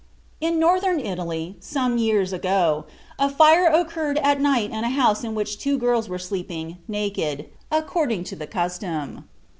In Northern Italy, some years ago, a fire occurred at night in a house in which two girls were sleeping, naked, according to the custom.